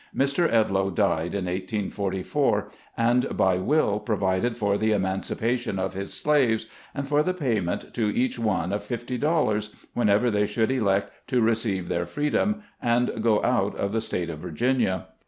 Mr. Edloe died in 1844, and by will provided for the emancipation of his slaves, and for the payment to each one of fifty dollars, whenever they should elect to receive their freedom and go out of the State of Virginia.